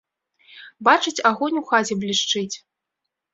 Бачаць, агонь у хаце блішчыць.